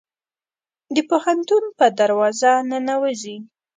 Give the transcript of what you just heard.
د پوهنتون په دروازه ننوزي